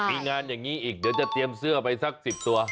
มีงานอย่างนี้อีกเดี๋ยวจะเตรียมเสื้อไปสัก๑๐ตัว